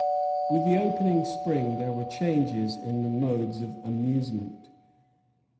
With the opening spring there were changes in the modes of amusement.